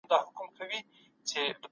کروندګري بل نظام دی.